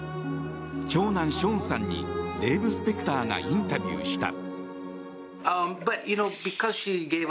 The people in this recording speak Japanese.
長男ショーンさんにデーブ・スペクターがインタビューした。